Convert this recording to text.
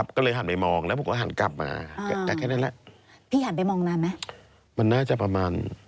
ก็เลยหันไปมองแล้วผมก็หันกลับมาแค่นั้นแหละ